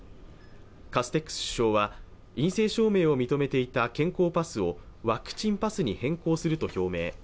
カステックス首相は陰性証明を認めていた健康パスをワクチンパスに変更すると表明。